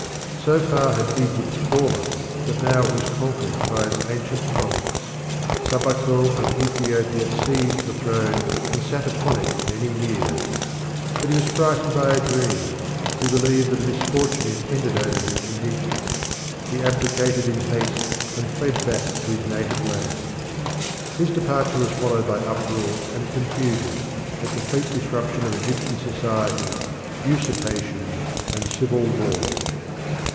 So far had Egypt fallen that now it was conquered by its ancient province. Sabaco of Ethiopia seized the throne and sat upon it many years. But he was frightened by a dream; he believed that a misfortune impended over him in Egypt. He abdicated in haste and fled back to his native land. His departure was followed by uproar and confusion, a complete disruption of Egyptian society, usurpation, and civil war.